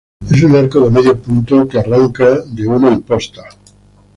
Es un arco de medio punto que arranca de una imposta.